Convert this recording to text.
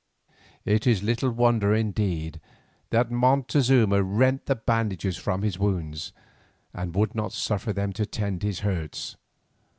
It is little wonder indeed that Montezuma rent the bandages from his wounds and would not suffer them to tend his hurts.